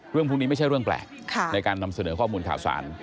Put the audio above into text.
เรื่องพวกนี้ไม่ใช่เรื่องแปลกในการนำเสนอข้อมูลข่าวสาร